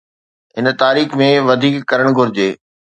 هن تاريخ ۾ وڌيڪ ڪرڻ گهرجي.